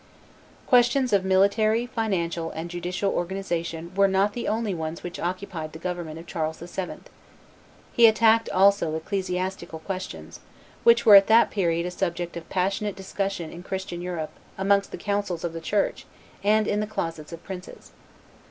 Questions of military, financial, and judicial organization were not the only ones which occupied the government of Charles VII. He attacked also ecclesiastical questions, which were at that period a subject of passionate discussion in Christian Europe amongst the councils of the Church and in the closets of princes.